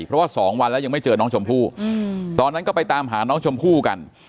เพราะว่า๒วันแล้วยังไม่เจอน้องชมพู่ตอนนั้นก็ไปตามหาน้องชมพู่กัน